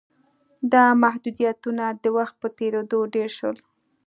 دا محدودیتونه د وخت په تېرېدو ډېر شول.